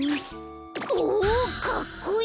おかっこいい！